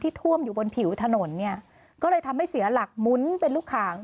ท่วมอยู่บนผิวถนนเนี่ยก็เลยทำให้เสียหลักหมุนเป็นลูกขาง